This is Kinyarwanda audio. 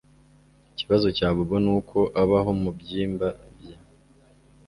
Ikibazo cya Bobo nuko abaho mubyimba bye